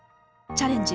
チャレンジ！